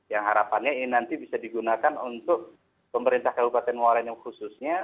yang harapannya ini nanti bisa digunakan untuk pemerintah kabupaten morainim khususnya